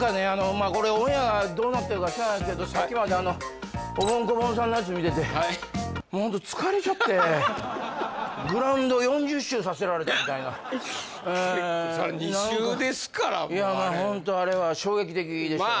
まあこれオンエアどうなってるか知らないですけどさっきまでおぼん・こぼんさんのやつ見ててグラウンド４０周させられたみたいな結構そら２週ですからいやもうホントあれは衝撃的でしたね